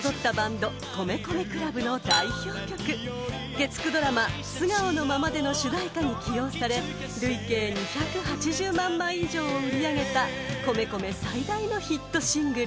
［月９ドラマ『素顔のままで』の主題歌に起用され累計２８０万枚以上を売り上げた米米最大のヒットシングル］